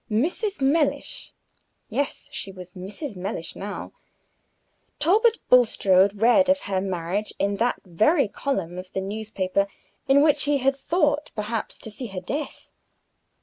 Mrs. Mellish! Yes, she was Mrs. Mellish now. Talbot Bulstrode read of her marriage in that very column of the newspaper in which he had thought, perhaps, to see her death.